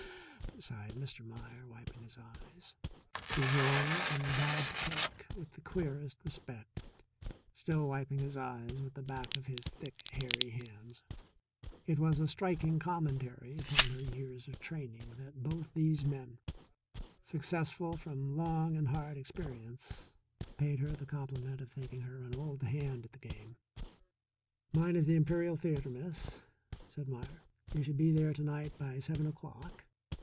sighed Mr. Meier, wiping his eyes. He rose and bowed to Cake with the queerest respect, still wiping his eyes with the back of his thick, hairy hands. It was a striking commentary upon her years of training that both of these men, successful from long and hard experience, paid her the compliment of thinking her an old hand at the game. "Mine is the Imperial Theatre, Miss," said Meier. "You should be there to night by seven o'clock.